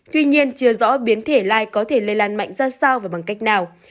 tuy nhiên chưa rõ biến thể lai có thể lây lan mạnh ra sao và bằng cách nào